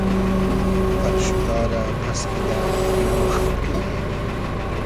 پئرشودا رۂ پئس کیدۂ نۆ خئد کئنی